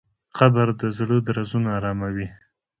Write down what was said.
قبر د زړه درزونه اراموي.